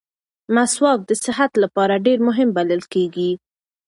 مسواک د صحت لپاره ډېر مهم بلل کېږي.